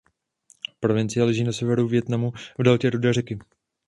Provincie leží na severu Vietnamu v deltě Rudé řeky.